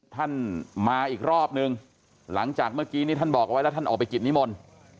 ท่านมาอีกรอบนึงหลังจากเมื่อกี้นี่ท่านบอกเอาไว้แล้วท่านออกไปกิจนิมนต์